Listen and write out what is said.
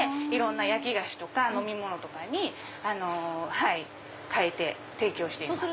焼き菓子とか飲み物に変えて提供しています。